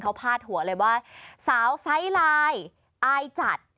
เขาพาดหัวเลยว่าสาวไซส์ไลน์อายจัด